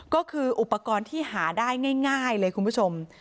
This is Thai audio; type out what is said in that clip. ก็คืออุปกรณ์ที่หาได้ง่ายเลยคุณผู้ชม